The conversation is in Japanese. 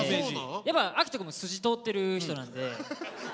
やっぱ照史くんも筋通ってる人なんで。